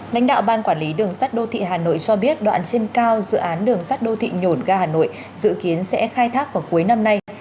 lãnh đạo ban quản lý đường sắt đô thị hà nội cho biết đoạn trên cao dự án đường sắt đô thị nhổn ga hà nội dự kiến sẽ khai thác vào cuối năm nay